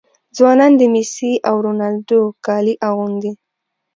ځوانان د میسي او رونالډو کالي اغوندي.